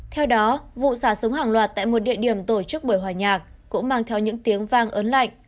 theo đó vụ xả súng hàng loạt tại một địa điểm tổ chức buổi hòa nhạc cũng mang theo những tiếng vang ớn lạnh